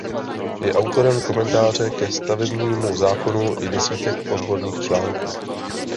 Je autorem komentáře ke stavebnímu zákonu i desítek odborných článků.